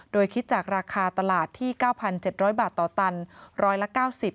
โดยคิดจากราคาตลาดที่๙๗๐๐บาทต่อตันร้อยละ๙๐